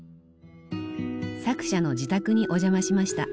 作者の自宅にお邪魔しました。